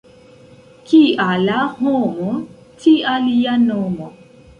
Kia la homo, tia lia nomo.